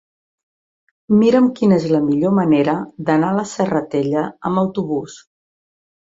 Mira'm quina és la millor manera d'anar a la Serratella amb autobús.